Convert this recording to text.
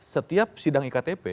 setiap sidang iktp